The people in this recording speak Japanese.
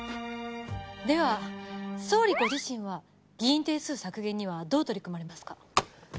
では総理ご自身は議員定数削減にはどう取り組まれますか？